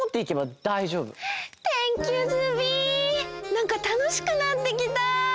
なんかたのしくなってきた！